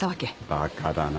バカだな。